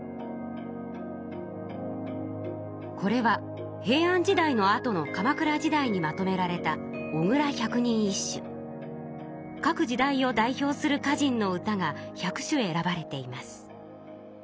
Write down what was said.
これは平安時代のあとの鎌倉時代にまとめられた各時代を代表する歌人の歌が１００首選ばれています。